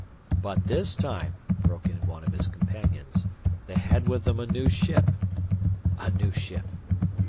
"But this time," broke in one of his companions, "they had with them a new ship " "A new ship?"